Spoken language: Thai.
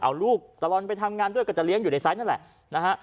เอาลูกตลอดไปทำงานด้วยก็จะเลี้ยงอยู่ในไซส์นั่นแหละนะฮะ